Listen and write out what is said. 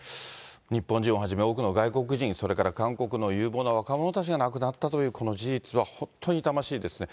日本人をはじめ、多くの外国人、それから韓国の有望な若者たちが亡くなったというこの事実は本当に痛ましいですね。